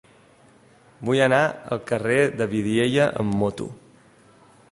Vull anar al carrer de Vidiella amb moto.